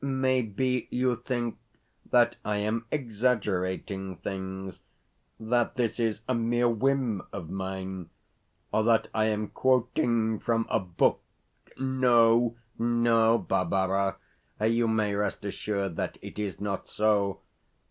Maybe you think that I am exaggerating things that this is a mere whim of mine, or that I am quoting from a book? No, no, Barbara. You may rest assured that it is not so.